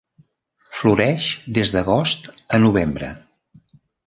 Floreix des d'agost a novembre.